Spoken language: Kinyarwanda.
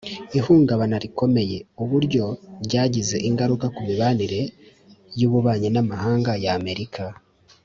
ihungabana rikomeye: uburyo ryagize ingaruka ku mibanire y’ububanyi n’amahanga ya amerika